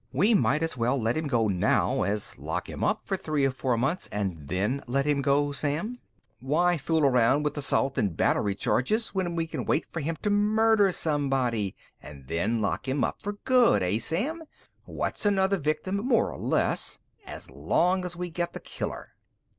"We might as well let him go now as lock him up for three or four months and then let him go, Sam. Why fool around with assault and battery charges when we can wait for him to murder somebody and then lock him up for good, eh, Sam? What's another victim more or less, as long as we get the killer?"